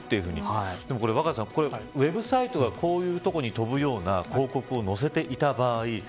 ウェブサイトがこういうところに飛ぶような広告を載せていた場合